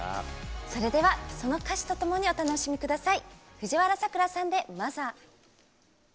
それでは、その歌詞とともにお楽しみください。